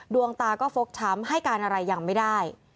ดวงตาก็ฟกช้ำให้การอะไรยังไม่ได้